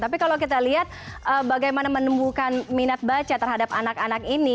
tapi kalau kita lihat bagaimana menumbuhkan minat baca terhadap anak anak ini